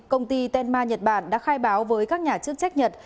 công ty tenma nhật bản đã khai báo với các nhà chức trách nhật